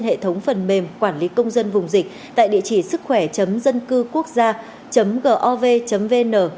hệ thống phần mềm quản lý công dân vùng dịch tại địa chỉ sức khỏe dân cư quốc gia gov vn